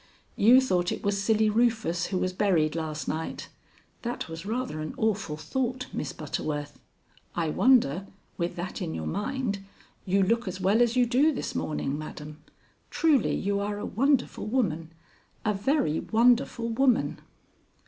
You thought it was Silly Rufus who was buried last night. That was rather an awful thought, Miss Butterworth. I wonder, with that in your mind, you look as well as you do this morning, madam. Truly you are a wonderful woman a very wonderful woman."